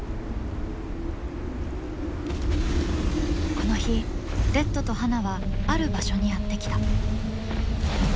この日レッドとハナはある場所にやって来た。